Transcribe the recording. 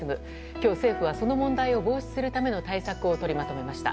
今日、政府はその問題を防止するための対策を取りまとめました。